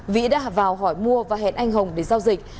vĩ đã vào hỏi mua và hẹn anh hùng để giao dịch